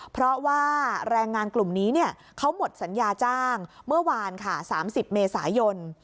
เพราะว่าแรงงานกลุ่มนี้เขาหมดสัญญาจ้างเมื่อวานค่ะ๓๐เมษายน